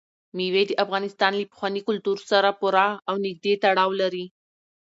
مېوې د افغانستان له پخواني کلتور سره پوره او نږدې تړاو لري.